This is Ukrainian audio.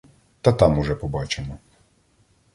Та там уже побачимо.